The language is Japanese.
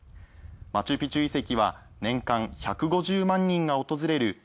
マチュピチュ遺跡は年間１５０万人が訪れる